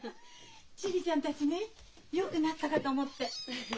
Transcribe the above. チビちゃんたちねよくなったかと思って。